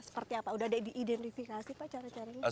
seperti apa udah diidentifikasi pak cara caranya